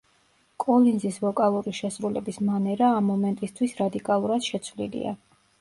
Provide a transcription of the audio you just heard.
კოლინზის ვოკალური შესრულების მანერა ამ მომენტისთვის რადიკალურად შეცვლილია.